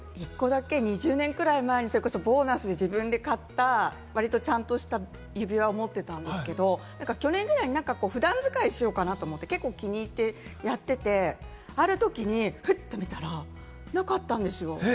私、一個だけ、２０年くらい前にボーナスで自分で買った、ちゃんとした指輪を持っていたんですけれども、去年くらいに普段使いしようかなと思って結構、気に入ってやってて、あるときに、ふっと見たら、なかったんですよ。